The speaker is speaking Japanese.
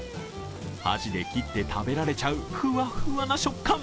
箸で切って食べられちゃうふわふわの食感。